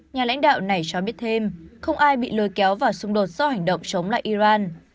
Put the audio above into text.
nhà lãnh đạo này cho biết thêm không ai bị lôi kéo và xung đột do hành động chống lại iran